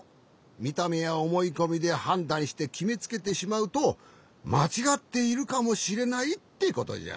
みためやおもいこみではんだんしてきめつけてしまうとまちがっているかもしれないってことじゃ。